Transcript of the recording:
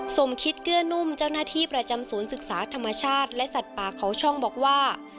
สมคิดเกื้อนุ่มเจ้าหน้าที่ประจำศูนย์ศึกษาธรรมชาติและสัตว์ป่าเขาช่องบอกว่า